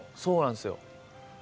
そうなんすよ。